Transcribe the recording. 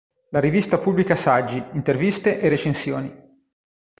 La rivista pubblica saggi, interviste e recensioni.